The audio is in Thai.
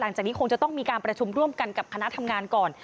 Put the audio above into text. จากนี้คงจะต้องมีการประชุมร่วมกันกับคณะทำงานก่อน